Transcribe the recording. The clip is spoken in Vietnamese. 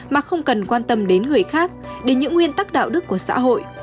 mà không cần quan tâm đến người khác đến những nguyên tắc đạo đức của xã hội